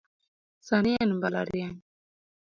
Sani en mbalariany.